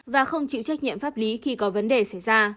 và không chịu trách nhiệm pháp lý khi có vấn đề xảy ra